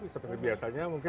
seperti biasanya mungkin